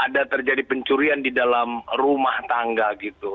ada terjadi pencurian di dalam rumah tangga gitu